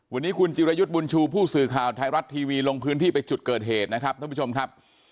วันนี้คุณจิรยุทธ์บุญชูผู้สื่อข่าวไทยรัฐทีวีลงพื้นที่ไปจุดเกิดเหตุนะครับท่านผู้ชมครับ